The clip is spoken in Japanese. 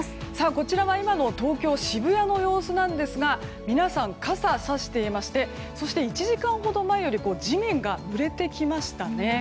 こちらは今の東京・渋谷の様子なんですが皆さん、傘をさしていましてそして１時間ほど前より地面がぬれてきましたね。